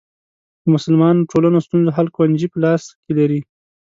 د مسلمانو ټولنو ستونزو حل کونجي په لاس کې لري.